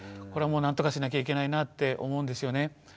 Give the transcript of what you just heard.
これはもうなんとかしなきゃいけないなって思うんですよね。